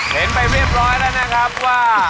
เห็นไปเรียบร้อยแล้วนะครับว่า